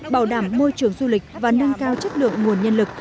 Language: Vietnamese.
bảo đảm môi trường du lịch và nâng cao chất lượng nguồn nhân lực